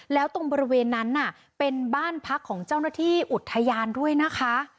แล้วตรงบริเวณนั้นน่ะเป็นบ้านพักของเจ้าหน้าที่อุทยานด้วยนะคะ